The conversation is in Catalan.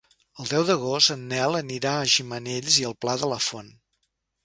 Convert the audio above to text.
El deu d'agost en Nel anirà a Gimenells i el Pla de la Font.